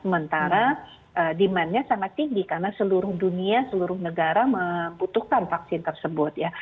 sementara demandnya sangat tinggi karena seluruh dunia seluruh negara membutuhkan vaksin tersebut ya